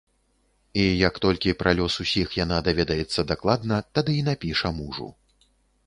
І як толькі пра лёс усіх яна даведаецца дакладна, тады і напіша мужу.